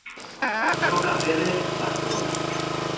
Roca Ferrer, Barcelona.